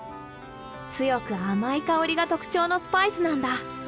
強く甘い香りが特徴のスパイスなんだ。